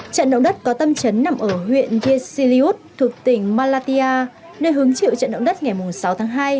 trận động đất có tâm trấn nằm ở huyện yersiliut thuộc tỉnh malatya nơi hướng chịu trận động đất ngày sáu tháng hai